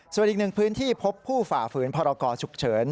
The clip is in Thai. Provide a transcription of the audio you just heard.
ส่วนอีกหนึ่งพื้นที่พบผู้ฝ่าฝืนพรกรฉุกเฉิน